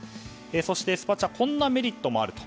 そして、スパチャはこんなメリットも。